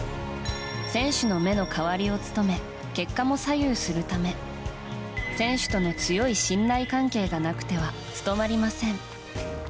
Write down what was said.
選手の目の代わりを務め結果も左右するため選手との強い信頼関係がなくては務まりません。